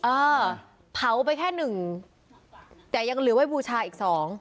เออเผาไปแค่หนึ่งแต่ยังเหลือไว้บูชาอีกสอง